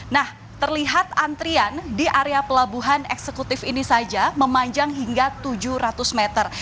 nah terlihat antrian di area pelabuhan eksekutif ini saja memanjang hingga tujuh ratus meter